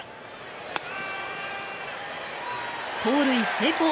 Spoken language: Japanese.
盗塁成功。